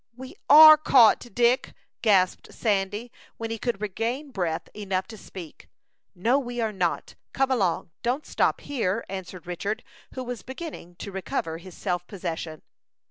"We are caught, Dick," gasped Sandy, when he could regain breath enough to speak. "No, we are not; come along. Don't stop here," answered Richard, who was beginning to recover his self possession.